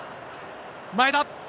前田。